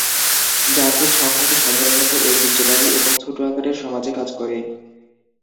যান্ত্রিক সংহতি সাধারণত "ঐতিহ্যবাহী" এবং ছোট আকারের সমাজে কাজ করে।